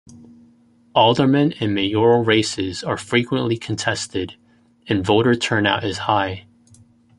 Alderman and mayoral races are frequently contested, and voter turnout is high.